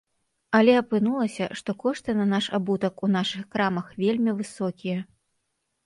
Але апынулася, што кошты на наш абутак у нашых крамах вельмі высокія.